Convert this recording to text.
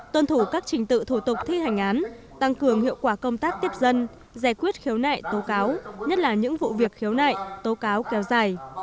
tuân thủ các trình tự thủ tục thi hành án tăng cường hiệu quả công tác tiếp dân giải quyết khiếu nại tố cáo nhất là những vụ việc khiếu nại tố cáo kéo dài